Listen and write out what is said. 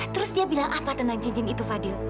terus dia bilang apa tentang cincin itu fadil